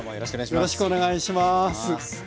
よろしくお願いします。